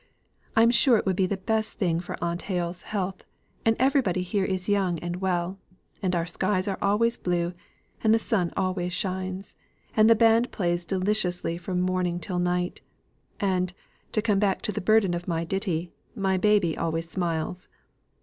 I'm sure it would be the very best thing for Aunt Hale's health; everybody here is young and well, and our skies are always blue, and our sun always shines, and the band plays deliciously from morning till night; and, to come back to the burden of my ditty, my baby always smiles.